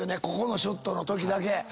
ここのショットのときだけ。